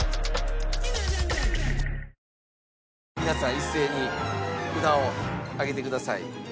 皆さん一斉に札を上げてください。